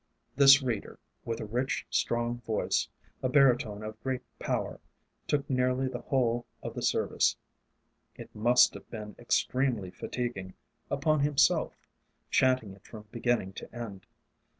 This Reader, with a rich, strong voice, a baritone of great power, took nearly the whole of the service it must have been extremely fatiguing upon himself, chanting it from beginning to end.